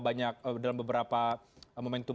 banyak dalam beberapa momentum